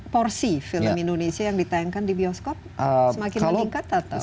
porsi film indonesia yang ditayangkan di bioskop semakin meningkat atau